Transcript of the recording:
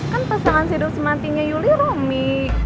kan pasangan hidup semantinya yuli romi